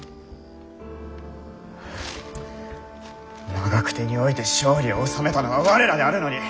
長久手において勝利を収めたのは我らであるのに！